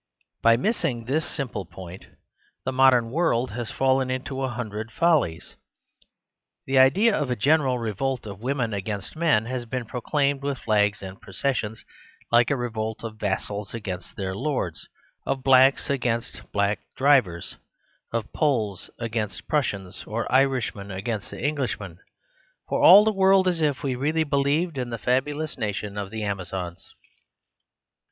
By missing this simple point, the modern world has fallen into a hundred fol lies. The idea of a general revolt of women against men has been proclaimed with flags and processions, like a revolt of vassals against their lords, of niggers against nigger drivers, of Poles against Prussians or Irishmen against 6l 62 The Superstition of Divorce Englishmen; for all the world as if we really believed in the fabulous nation of the Ama zons.